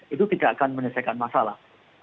itu tidak akan menyelesaikan masalah